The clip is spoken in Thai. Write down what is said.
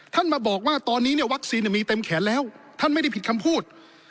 มาบอกว่าตอนนี้เนี่ยวัคซีนมีเต็มแขนแล้วท่านไม่ได้ผิดคำพูด